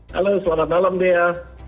halo selamat malam dea